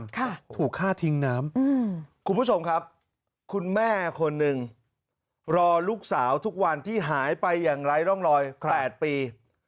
คุณผู้ชมครับคุณแม่คนหนึ่งรอลูกสาวทุกวันที่หายไปอย่างไร่ร่องรอย๘ปี